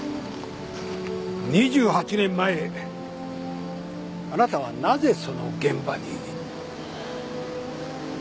２８年前あなたはなぜその現場に？